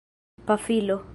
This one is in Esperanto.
pafilo